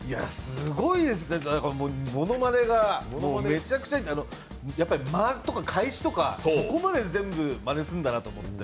すごいですね、ものまねがめちゃくちゃやっぱり間とか返しとか、そこまで全部まねするんだなと思って。